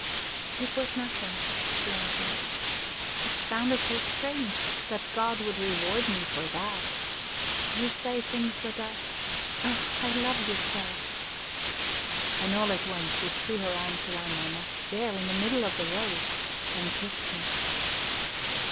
"It was nothing," she answered. "It sounded so strange that God would reward me for that. You say things that I ... Oh, I love you so!" And all at once she threw her arms round my neck, there in the middle of the road, and kissed me.